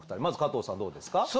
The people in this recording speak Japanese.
まず加藤さんどうですか？